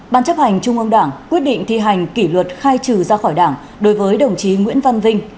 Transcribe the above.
ban chấp hành trung ương đảng quyết định thi hành kỷ luật khai trừ ra khỏi đảng đối với đồng chí nguyễn văn vinh